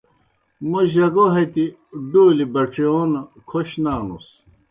موں جگو ہتیْ ڈولیْ بَڇِیون کھوش نانُس۔